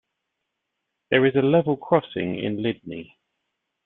There is a level crossing in Lydney.